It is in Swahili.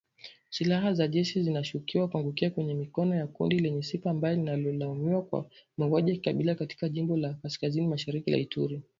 Silaha za jeshi zinashukiwa kuangukia kwenye mikono ya kundi lenye sifa mbaya linalolaumiwa kwa mauaji ya kikabila katika jimbo la kaskazini mashariki la Ituri